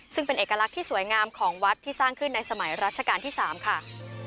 ซึ่งเป็นเอกลักษณ์ที่สวยงามของวัดที่สร้างขึ้นในสมัยรัชกาลที่๓ค่ะ